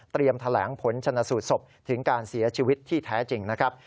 แถลงผลชนะสูตรศพถึงการเสียชีวิตที่แท้จริงนะครับ